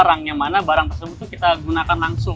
barangnya mana barang tersebut itu kita gunakan langsung